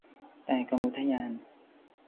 แต่กรมอุทยาน